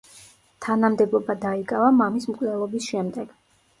თანამდებობა დაიკავა მამის მკვლელობის შემდეგ.